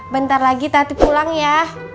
bentar lagi tati pulang ya